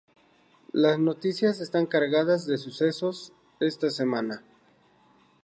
Las noticias están cargadas de sucesos esta semana